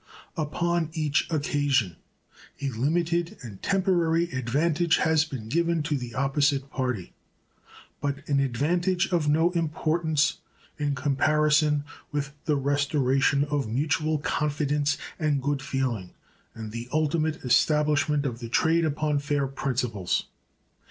Upon each occasion a limited and temporary advantage has been given to the opposite party, but an advantage of no importance in comparison with the restoration of mutual confidence and good feeling, and the ultimate establishment of the trade upon fair principles.